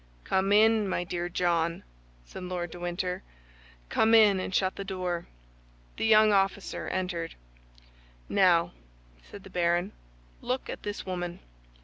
"Come in, my dear John," said Lord de Winter, "come in, and shut the door." The young officer entered. "Now," said the baron, "look at this woman.